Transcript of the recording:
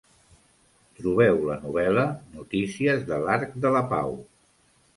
Trobeu la novel·la Notícies de l'Arc de la Pau.